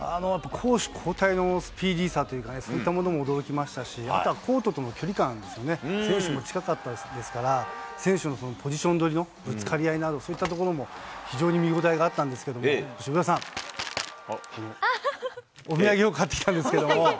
攻守交代のスピーディーさというかね、そういったものも驚きましたし、あとはコートとの距離感ですよね、選手も近かったですから、選手のポジション取りのぶつかり合いなど、そういったところも非常に見応えがあったんですけれども、上田さん、お土産を買ってきたんですけども。